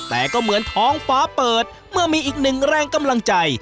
แต่ก็เหมือนท้องฟ้าเปิดเมื่อมีอีกหนึ่งแรงกำลังใจ